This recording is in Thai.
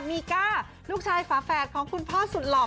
มีก้าลูกชายฝาแฝดของคุณพ่อสุดหล่อ